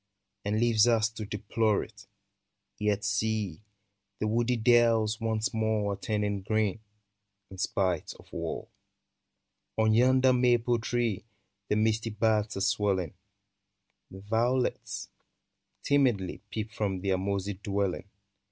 And leaves us to deplore it, — Yet see ! the woody dells once more Are turning green, in spite of war. On yonder maple tree The misty buds are swelling ; Violets, timidly. Peep from their mossy dwelling.